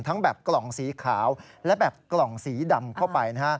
แบบกล่องสีขาวและแบบกล่องสีดำเข้าไปนะฮะ